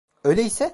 Öyleyse?